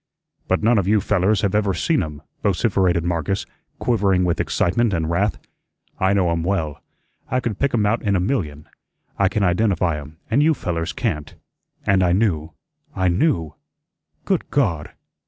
"But none of you fellers have ever seen um," vociferated Marcus, quivering with excitement and wrath. "I know um well. I could pick um out in a million. I can identify um, and you fellers can't. And I knew I knew good GOD!